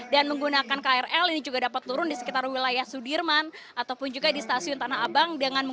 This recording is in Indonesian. dan menggunakan krl ini juga dapat turun di sekitar wilayah sudirman ataupun juga di stasiun tanah abang